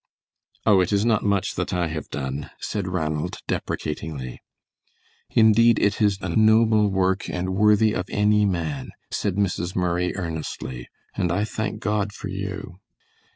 "Oh, it is not much that I have done," said Ranald, deprecatingly. "Indeed, it is a noble work and worthy of any man," said Mrs. Murray, earnestly, "and I thank God for you."